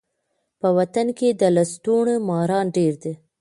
په وطن کي د لستوڼي ماران ډیر دي.